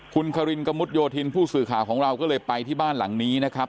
คุณคารินกระมุดโยธินผู้สื่อข่าวของเราก็เลยไปที่บ้านหลังนี้นะครับ